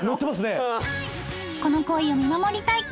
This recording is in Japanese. この恋を見守りたい！